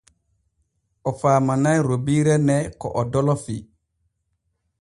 O faamanay rubiire ne ko o dolfii.